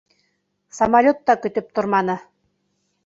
Самолет та көтөп торманы.